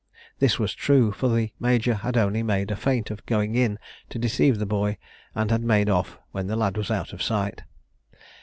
This was true, for the major had only made a feint of going in to deceive the boy, and had made off when the lad was out of sight.